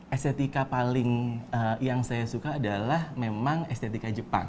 estetika paling yang saya suka adalah memang estetika jepang